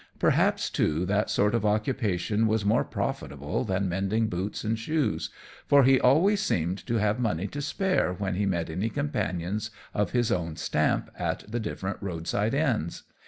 Perhaps, too, that sort of occupation was more profitable than mending boots and shoes, for he always seemed to have money to spare when he met any companions of his own stamp at the different road side inns.